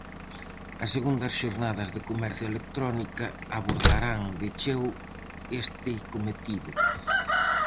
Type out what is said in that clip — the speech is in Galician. As segundas Xornadas de Comercio Electrónica abordarán de cheo este cometido.